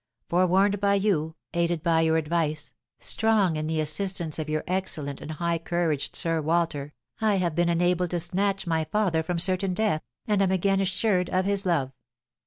Forewarned by you, aided by your advice, strong in the assistance of your excellent and high couraged Sir Walter, I have been enabled to snatch my father from certain death, and am again assured of his love.